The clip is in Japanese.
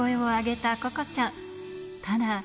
ただ。